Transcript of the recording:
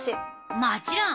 もちろん！